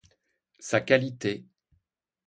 Sa qualité.